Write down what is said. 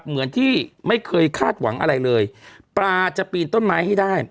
เหมือนที่ไม่เคยคาดหวังอะไรเลยปลาจะปีนต้นไม้ให้ได้